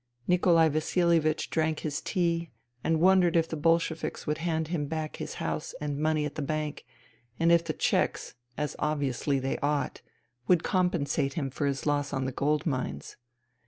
Nikolai VasiHevich drank his tea and wondered if the Bolsheviks would hand him back his house and money at the bank, and if the Czechs, as obviously they ought, would compensate him for his loss on the gold mines.